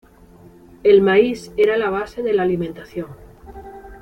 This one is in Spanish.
El maíz era la base de la alimentación.